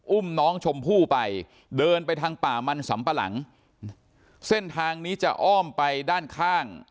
อุ้มน้องชมพู่ไปเดินไปทางป่ามันสำปะหลังเส้นทางนี้จะอ้อมไปด้านข้าง